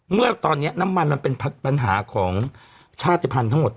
เมื่อตอนนี้น้ำมันมันเป็นปัญหาของชาติภัณฑ์ทั้งหมด